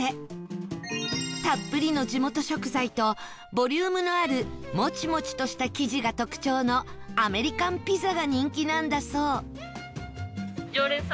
たっぷりの地元食材とボリュームのあるもちもちとした生地が特徴のアメリカンピザが人気なんだそう